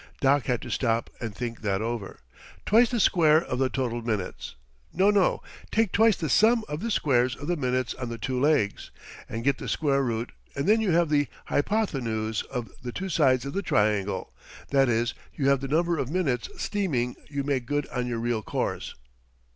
Doc had to stop and think that over. "Twice the square of the total minutes no, no. Take twice the sum of the squares of the minutes on the two legs and get the square root and then you have the hypothenuse of the two sides of the triangle; that is, you have the number of minutes' steaming you make good on your real course."